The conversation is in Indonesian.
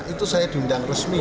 itu saya diundang resmi